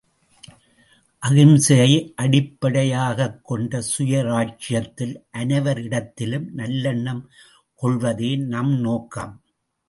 அகிம்சையை அடிப்படையாகக் கொண்ட சுயராஜ்யத்தில் அனைவரிடத்திலும் நல்லெண்ணம் கொள்வதே நம் நோக்கம்.